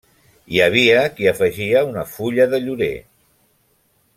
Hi havia qui afegia una fulla de llorer.